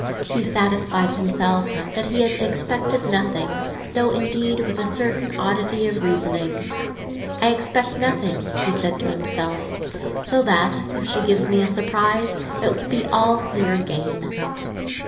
He satisfied himself that he had expected nothing, though, indeed, with a certain oddity of reasoning. "I expect nothing," he said to himself, "so that if she gives me a surprise, it will be all clear again.